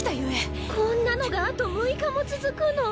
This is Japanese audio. こんなのがあと６日も続くの？